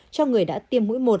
cho người đã tiêm mũi một